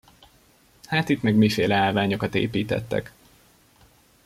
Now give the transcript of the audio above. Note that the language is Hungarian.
Hát itt meg miféle állványokat építettek?